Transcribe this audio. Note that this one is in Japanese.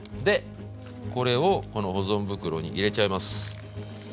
これをこの保存袋に入れちゃいます。